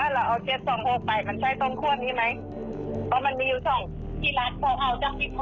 อาจจะไอ้ต้นเจ้าที่เขาถ่ายรูปต้งมาให้เนี้ยของไอ้ครับเออ